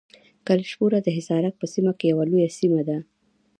کلشپوره د حصارک په سیمه کې یوه لویه سیمه ده.